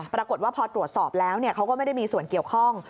ปรากฏว่าพอตรวจสอบแล้วเขาก็ไม่ได้มีส่วนเกี่ยวข้อง